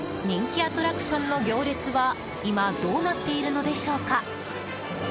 人気アトラクションの行列は今、どうなっているのでしょうか。